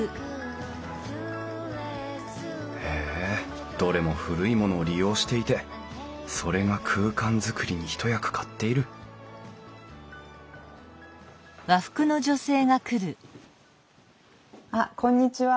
へえどれも古いものを利用していてそれが空間作りに一役買っているあっこんにちは。